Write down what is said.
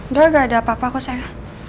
udah gak ada apa apa kok sayang